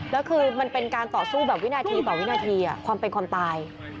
แล้วคือมันเป็นการต่อสู้แบบวินาทีต่อวินาทีความเป็นความตาย